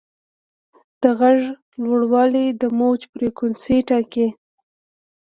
د غږ لوړوالی د موج فریکونسي ټاکي.